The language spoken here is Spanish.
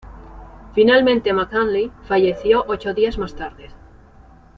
Finalmente, McKinley falleció ocho días más tarde.